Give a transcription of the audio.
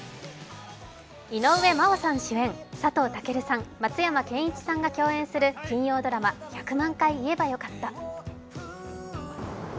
井上真央さん主演、佐藤健さん、松山ケンイチさんが共演する金曜ドラマ「１００万回言えばよかった」。